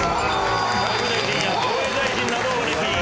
・外務大臣や防衛大臣などを歴任。